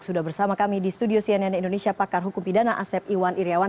sudah bersama kami di studio cnn indonesia pakar hukum pidana asep iwan iryawan